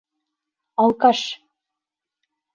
Алкаш!